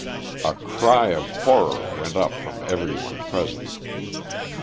A cry of horror went up from every one present.